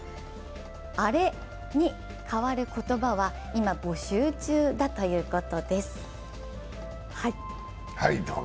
「アレ」に代わる言葉は今、募集中だということです。